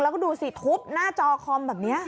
แล้วก็ดูสิทุบหน้าจอคอมแบบนี้